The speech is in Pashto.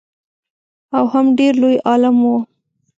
او هم ډېر لوی عالم و.